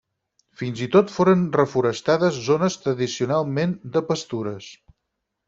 Fins i tot foren reforestades zones tradicionalment de pastures.